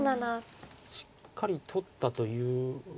しっかり取ったという。